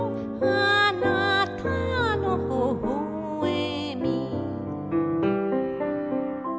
「あなたのほほえみ」